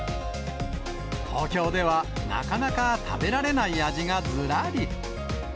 東京ではなかなか食べられない味がずらり。